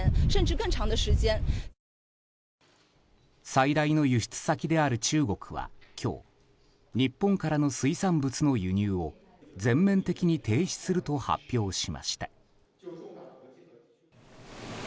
最大の輸出先である中国は今日日本からの水産物の輸入を全面的に停止すると発表しました。